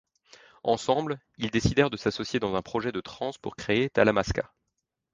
Ensemble, ils décidèrent de s'associer dans un projet de trance pour créer Talamasca.